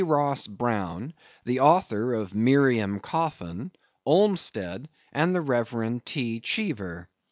Ross Browne; the Author of Miriam Coffin; Olmstead; and the Rev. T. Cheever.